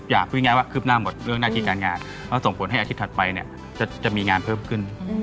พูดง่ายว่าคืบหน้าหมดเรื่องหน้าที่การงานแล้วส่งผลให้อาทิตย์ถัดไปเนี่ยจะมีงานเพิ่มขึ้น